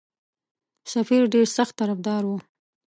سفیر ډېر سخت طرفدار وو.